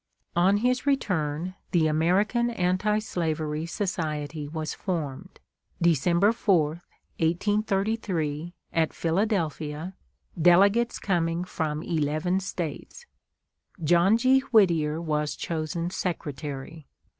On his return the American Anti Slavery Society was formed, Dec. 4, 1833, at Philadelphia, delegates coming from eleven States. John G. Whittier was chosen Secretary.